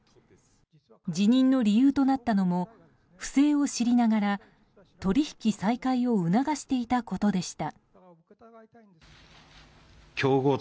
辞任の理由となったのも不正を知りながら取引再開を促していたことでした。